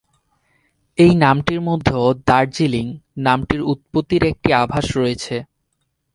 এই নামটির মধ্যেও "দার্জিলিং" নামটির উৎপত্তির একটি আভাস রয়েছে।